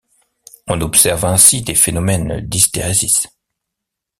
On observe ainsi des phénomènes d'hystérésis.